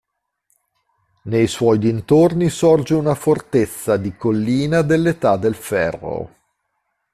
Nei suoi dintorni sorge una fortezza di collina dell'età del ferro.